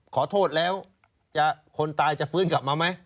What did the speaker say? ขอโทษแล้วคนตายจะฟื้นกลับมาไหม